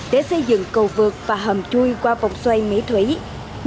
để xây dựng giao thông để xây dựng giao thông